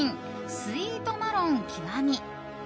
スイートマロン極。